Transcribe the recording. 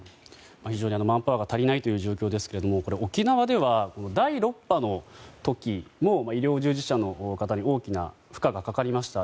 非常にマンパワーが足りない状況ですけれども沖縄では第６波の時も医療従事者の方に大きな負荷がかかりました。